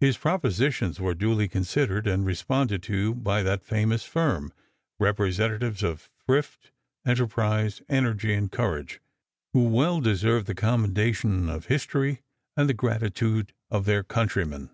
His propositions were duly considered and responded to by that famous firm, representatives of thrift, enterprise, energy, and courage, who well deserve the commendation of history and the gratitude of their countrymen.